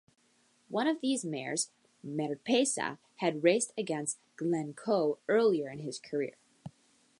One of these mares, Marpessa, had raced against Glencoe earlier in his career.